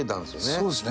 そうですね。